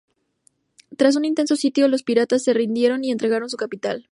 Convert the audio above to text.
Tras un intenso sitio, los piratas se rindieron y entregaron su capital.